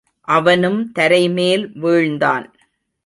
அவனும் தரைமேல் வீழ்ந்தான்.